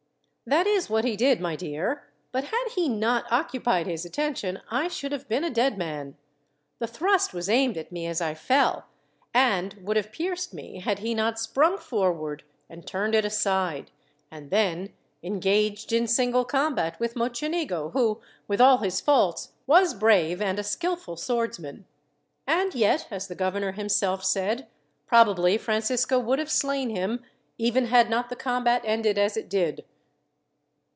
"That is what he did, my dear; but had he not occupied his attention I should have been a dead man. The thrust was aimed at me as I fell, and would have pierced me had he not sprung forward and turned it aside, and then engaged in single combat with Mocenigo, who, with all his faults, was brave and a skillful swordsman; and yet, as the governor himself said, probably Francisco would have slain him, even had not the combat ended as it did.